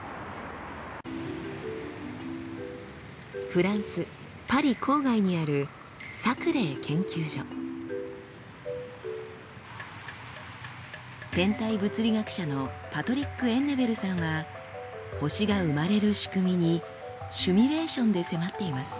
フランスパリ郊外にある天体物理学者のパトリック・エンネベルさんは星が生まれる仕組みにシミュレーションで迫っています。